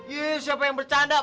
iya siapa yang bercanda